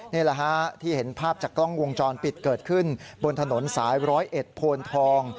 นี่แหละฮะที่เห็นภาพจากกล้องวงจรปิดเกิดขึ้นบนถนนสายร้อยเอ็ดโพนทอง